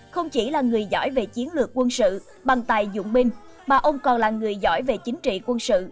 không chỉ là người giỏi về chiến lược quân sự bằng tài dụng binh mà ông còn là người giỏi về chính trị quân sự